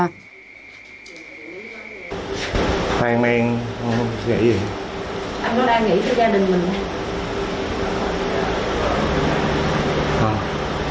anh có đang nghĩ về gia đình mình không